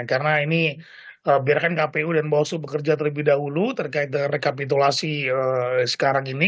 karena ini biarkan kpu dan bawaslu bekerja terlebih dahulu terkait rekapitulasi sekarang ini